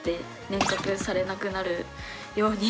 年確されなくなるように。